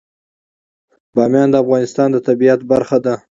بامیان د افغانستان د طبیعت برخه ده.